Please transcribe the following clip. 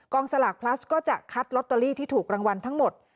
สลากพลัสก็จะคัดลอตเตอรี่ที่ถูกรางวัลทั้งหมด